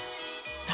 誰？